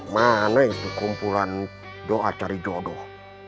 mana itu kumpulan doa cari jodoh